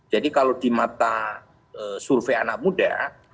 jadi kalau di mata survei anak muda